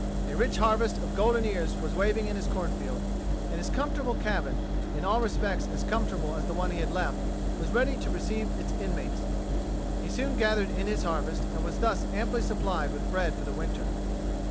A rich harvest of golden ears was waving in his corn field; and his comfortable cabin, in all respects as comfortable as the one he had left, was ready to receive its inmates. He soon gathered in his harvest, and was thus amply supplied with bread for the winter.